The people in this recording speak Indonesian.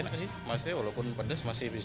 enak sih walaupun pedas masih bisa